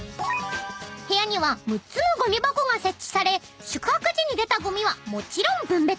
［部屋には６つのゴミ箱が設置され宿泊時に出たゴミはもちろん分別］